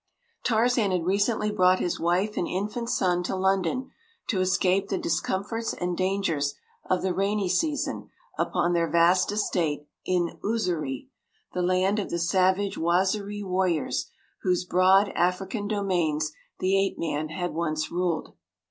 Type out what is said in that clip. Tarzan had recently brought his wife and infant son to London to escape the discomforts and dangers of the rainy season upon their vast estate in Uziri—the land of the savage Waziri warriors whose broad African domains the ape man had once ruled.